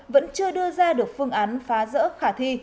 vẫn chưa đưa ra được phương án phá rỡ khả thi